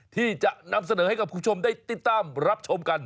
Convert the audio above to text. ที่จะนำเสนอให้กับคุณผู้ชมได้ติดตามรับชมกัน